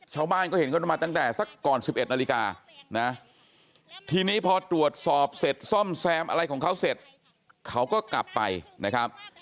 ชาวบ้านก็เห็นเขามาตั้งแต่สักก่อน๑๑นาฬิกานะทีนี้พอตรวจสอบเสร็จซ่อมแซมอะไรของเขาเสร็จเขาก็กลับไปนะครับ